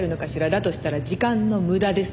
だとしたら時間の無駄です。